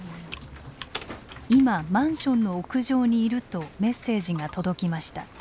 今マンションの屋上にいるとメッセージが届きました。